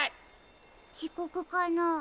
ちこくかな？